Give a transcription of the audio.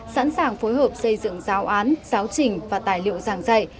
sẵn sàng phối hợp xây dựng giáo án giáo trình và tài liệu giảng dạy